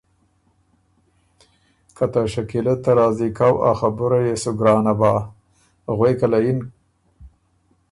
که ته شکیلۀ ته راضی کؤ ا خبُره يې سو ګرانه بَه۔ غوېکه له یِن: